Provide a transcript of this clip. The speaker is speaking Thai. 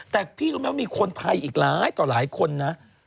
แต่พี่รู้ไหมว่ามีคนไทยอีกหลายต่อหลายคนนะ